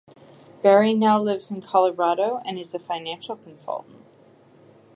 Berry now lives in Colorado and is a Financial Consultant.